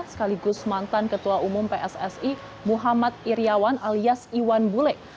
sekaligus mantan ketua umum pssi muhammad iryawan alias iwan bule